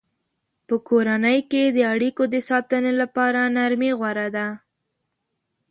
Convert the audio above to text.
په کورنۍ کې د اړیکو د ساتنې لپاره نرمي غوره ده.